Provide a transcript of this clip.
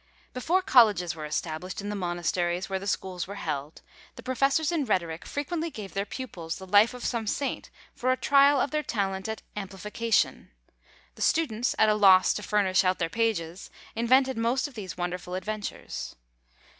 Before colleges were established in the monasteries where the schools were held, the professors in rhetoric frequently gave their pupils the life of some saint for a trial of their talent at amplification. The students, at a loss to furnish out their pages, invented most of these wonderful adventures.